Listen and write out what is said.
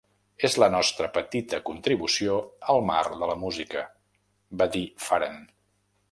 És la nostra petita contribució al mar de la música, va dir Farhan.